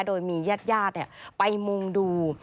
โดยมีญาติไปมุ่งดู